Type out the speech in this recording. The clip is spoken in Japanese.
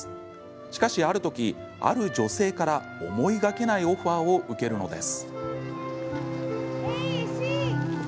しかし、あるときある女性から思いがけないオファーを受けるのです。